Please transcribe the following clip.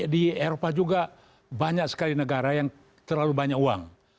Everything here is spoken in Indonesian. di eropa juga banyak sekali negara yang terlalu banyak uang